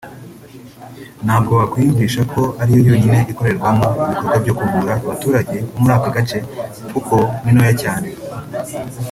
ntabwo wakwiyumvisha ko ariyo yonyine ikorerwamo ibikorwa byo kuvura abaturage bo muri aka gace kuko ni ntoya cyane